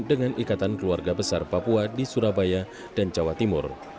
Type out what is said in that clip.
dengan ikatan keluarga besar papua di surabaya dan jawa timur